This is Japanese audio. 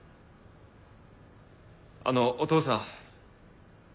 あのお父さん。